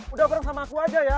udah bareng sama aku aja ya